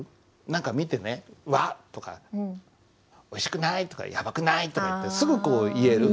何か見てね「わっ」とか「おいしくない」とか「やばくない」とか言ってすぐこう言える。